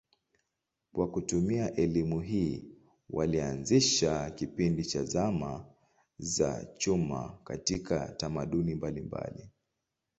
Kwa kutumia elimu hii walianzisha kipindi cha zama za chuma katika tamaduni mbalimbali.